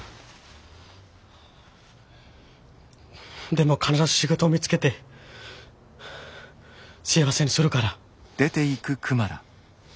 でも必ず仕事見つけて幸せにするから。